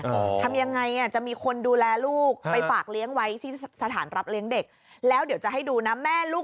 ทำยังไงอ่ะจะมีคนดูแลลูกไปฝากเลี้ยงไว้ที่สถานรับเลี้ยงเด็กแล้วเดี๋ยวจะให้ดูนะแม่ลูก